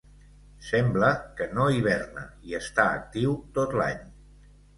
Sembla que no hiverna i està actiu tot l'any.